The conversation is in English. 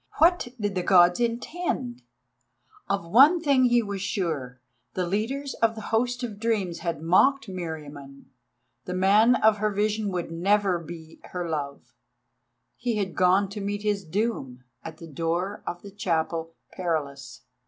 What did the Gods intend? Of one thing he was sure: the leaders of the host of dreams had mocked Meriamun. The man of her vision would never be her love: he had gone to meet his doom at the door of the Chapel Perilous.